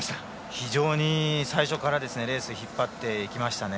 非常に最初からレースを引っ張っていきましたね。